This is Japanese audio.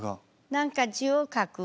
何か字を書く。